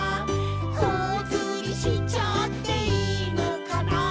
「ほおずりしちゃっていいのかな」